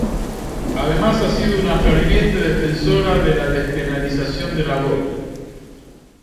Además ha sido una ferviente defensora de la despenalización del aborto.